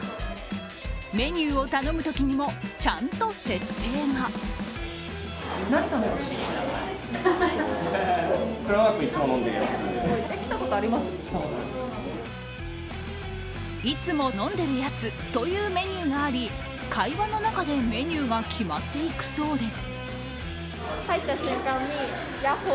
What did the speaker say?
メニューを頼むときにもちゃんと設定がいつも飲んでるやつというメニューがあり会話の中でメニューが決まっていくそうです。